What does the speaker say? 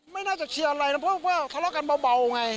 ไม่น่าจะเคลียร์อะไรนะเพราะว่าทะเลาะกันเบาไง